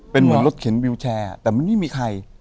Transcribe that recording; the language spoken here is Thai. เป็นเหมือนรถเข็นวิวแชร์แต่มันไม่มีใคร